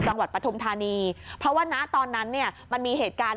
ปฐุมธานีเพราะว่าณตอนนั้นเนี่ยมันมีเหตุการณ์